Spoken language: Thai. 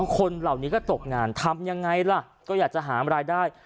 คนเหล่านี้ก็ตกงานทำยังไงล่ะก็อยากจะหารายได้